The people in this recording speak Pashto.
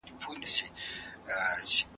ساینس د سوزېدلي کاغذ لیکنه لولي.